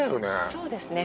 そうですね